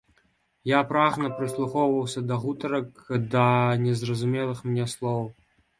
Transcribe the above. Я прагна прыслухоўваўся да гутарак, да незразумелых мне слоў.